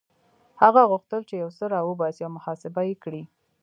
هغه غوښتل چې يو څه را وباسي او محاسبه يې کړي.